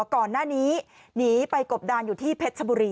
ก่อนหน้านี้หนีไปกบดานอยู่ที่เพชรชบุรี